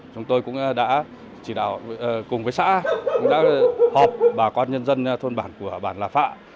chúng tôi cũng đã chỉ đạo cùng với xã cũng đã họp bà con nhân dân thôn bản của bản lạ phạ